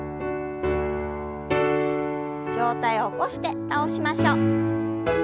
上体を起こして倒しましょう。